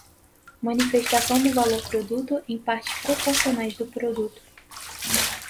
Manifestação do valor-produto em partes proporcionais do produto